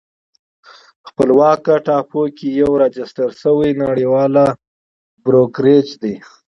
خپلواکه ټاپو کې یو راجستر شوی نړیوال بروکریج دی